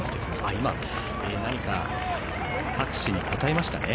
今、拍手に応えましたね。